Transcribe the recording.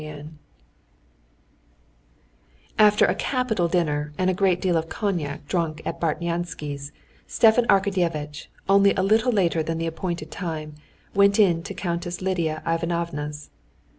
Chapter 21 After a capital dinner and a great deal of cognac drunk at Bartnyansky's, Stepan Arkadyevitch, only a little later than the appointed time, went in to Countess Lidia Ivanovna's.